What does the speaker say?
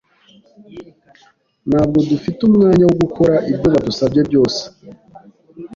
Ntabwo dufite umwanya wo gukora ibyo badusabye byose.